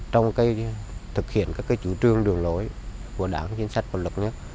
trong thực hiện các chủ trương đường lối của đảng chính sách quân luật nhất